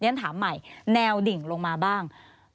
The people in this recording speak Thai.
เนี่ยทำใหม่แนวดิ่งลงมาบ้าง